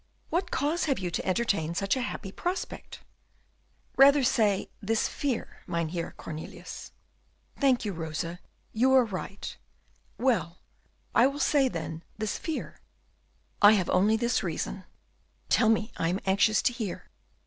"What cause have you to entertain such a happy prospect?" "Rather say, this fear, Mynheer Cornelius." "Thank you, Rosa, you are right; well, I will say then, this fear?" "I have only this reason " "Tell me, I am anxious to hear."